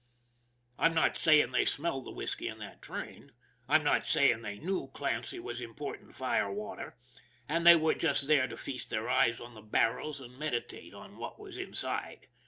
I'm not saying they smelled the whisky in that train. I'm not saying they knew Clancy was importing fire water, and they were just there to feast their eyes on the barrels and meditate on what was inside.